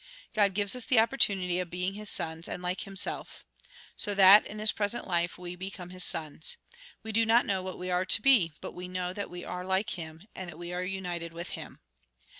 God gives us the opportunity of being His sons, and like Himself. So that, in this present life, we become His sons. "We do not know what we are to be, but we know that we are like Him, and that we are united with Him.